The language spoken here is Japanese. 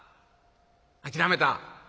諦めた。